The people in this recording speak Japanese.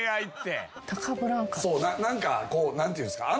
何か何て言うんですか。